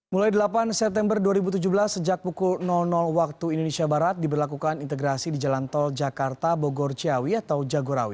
mulai delapan september dua ribu tujuh belas sejak pukul waktu indonesia barat diberlakukan integrasi di jalan tol jakarta bogor ciawi atau jagorawi